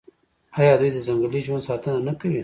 آیا دوی د ځنګلي ژوند ساتنه نه کوي؟